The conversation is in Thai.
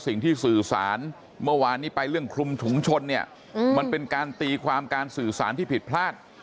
สื่อสารเมื่อวานนี้ไปเรื่องคลุมถุงชนเนี่ยมันเป็นการตีความการสื่อสารที่ผิดพลาด